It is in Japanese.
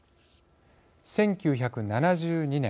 １９７２年